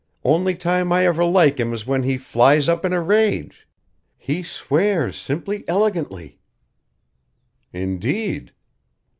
Only time I ever like him is when he flies up in a rage. He swears simply elegantly!" "Indeed?"